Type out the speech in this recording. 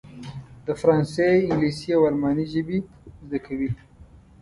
د فرانسې، انګلیسي او الماني ژبې زده کوي.